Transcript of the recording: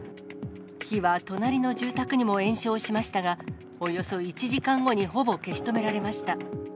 火は隣の住宅にも延焼しましたが、およそ１時間後にほぼ消し止められました。